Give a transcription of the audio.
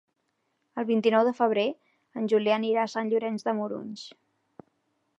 El vint-i-nou de febrer en Julià anirà a Sant Llorenç de Morunys.